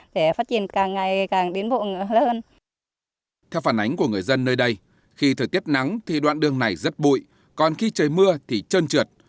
theo phản ánh của người dân nơi đây khi thời tiết nắng thì đoạn đường này rất bụi còn khi trời mưa thì trơn trượt